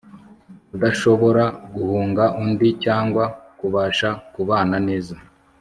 Kudashobora guhunga undi cyangwa kubasha kubana neza